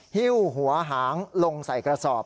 หิ้วหัวหางลงใส่กระสอบ